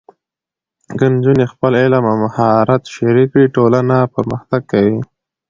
که نجونې خپل علم او مهارت شریک کړي، ټولنه پرمختګ کوي.